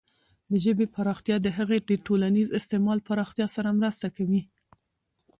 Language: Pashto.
د ژبې پراختیا د هغې د ټولنیز استعمال پراختیا سره مرسته کوي.